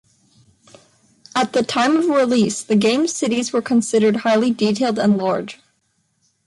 At the time of release, the game's cities were considered highly detailed and large.